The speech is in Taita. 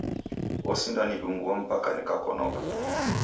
Osindanidungua mpaka nikakonoka.